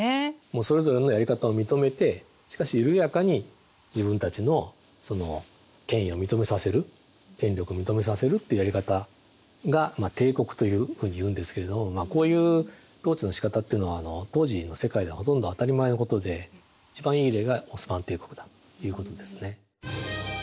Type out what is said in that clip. もうそれぞれのやり方を認めてしかし緩やかに自分たちの権威を認めさせる権力を認めさせるというやり方が帝国というふうに言うんですけれどこういう統治のしかたというのは当時の世界ではほとんど当たり前のことで一番いい例がオスマン帝国だということですね。